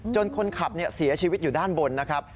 คนขับเสียชีวิตอยู่ด้านบนนะครับ